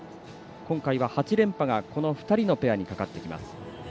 今回は８連覇がこの２人のペアにかかっています。